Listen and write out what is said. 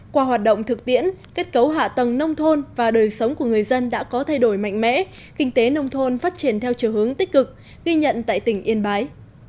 qua hoạt động thực tiễn kết cấu hạ tầng nông thôn và đời sống của người dân đã có thay đổi mạnh mẽ kinh tế nông thôn phát triển theo chiều hướng tích cực ghi nhận tại tỉnh yên bái